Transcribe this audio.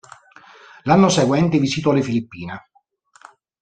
L'anno seguente visitò le Filippine.